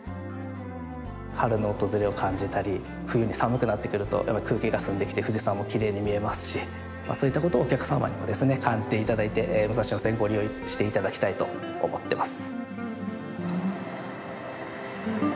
春の訪れを感じたり冬に寒くなってくると空気が澄んできて富士山もきれいに見えますしそういったことをお客様にも感じていただいて武蔵野線をご利用していただきたいと思っています。